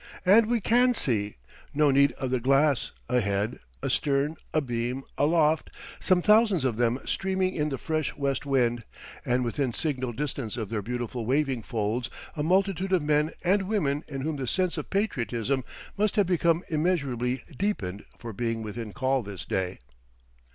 And we can see no need of the glass ahead, astern, abeam, aloft, some thousands of them streaming in the fresh west wind, and within signal distance of their beautiful waving folds a multitude of men and women in whom the sense of patriotism must have become immeasurably deepened for being within call this day.